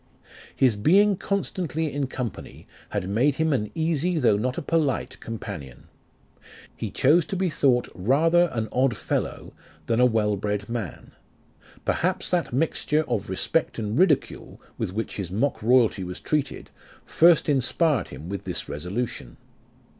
His being constantly in company had made him an easy though not a polite companion. He chose to be thought rather an odd fellow than a well bred man ; perhaps that mixture of respect and ridicule with which his mock royalty was treated, first inspired him with this resolution.